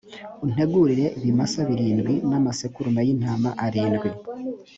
untegurire ibimasa birindwi n’amasekurume y’intama arindwi.